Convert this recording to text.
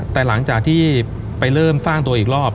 แต่หลังจากที่ไปเริ่มสร้างตัวอีกรอบ